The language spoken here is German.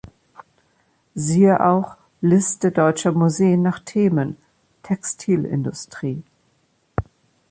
Siehe auch: Liste deutscher Museen nach Themen: Textilindustrie